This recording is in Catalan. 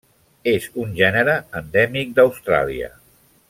És un gènere endèmic d'Austràlia.